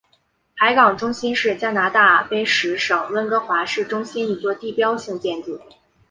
海港中心是加拿大卑诗省温哥华市中心一座地标性建筑。